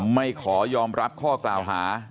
ไม่ขอยอมรับข้อกล่าวหา